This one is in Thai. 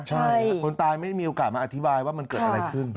ใช่คนตายไม่ได้มีโอกาสมาอธิบายว่ามันเกิดอะไรขึ้น